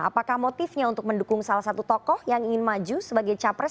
apakah motifnya untuk mendukung salah satu tokoh yang ingin maju sebagai capres